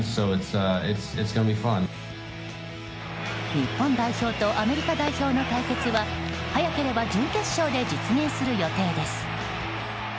日本代表とアメリカ代表の対決は早ければ準決勝で実現する予定です。